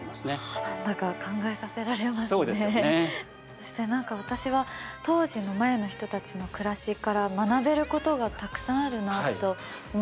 そしてなんか私は当時のマヤの人たちの暮らしから学べることがたくさんあるなと思いました。